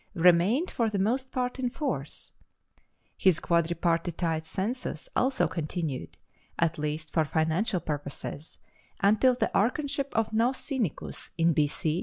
remained for the most part in force: his quadripartite census also continued, at least for financial purposes, until the archonship of Nausinicus in B.C.